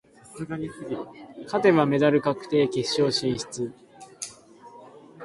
勝てばメダル確定、決勝進出。